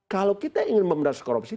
kalau kita ingin memberantasan korupsi